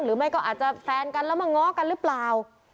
หรือไม่ก็อาจจะแฟนกันแล้วมาง้อกันหรือเปล่า